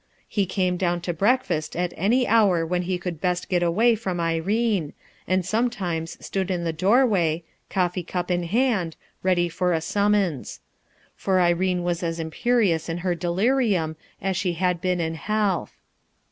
lie came down to breakfast at any hour when he could best get away from Irene, and sometimes stood in the doorway, coffee cup in hand, ready for a summons; for Irene was as imperious in her delirium as she had been in health.